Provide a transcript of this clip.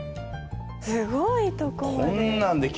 すごいとこまで。